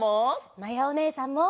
まやおねえさんも！